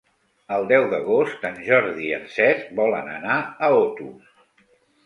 El deu d'agost en Jordi i en Cesc volen anar a Otos.